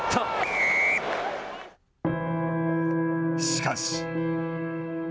しかし。